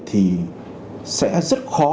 thì sẽ rất khó